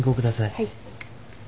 はい。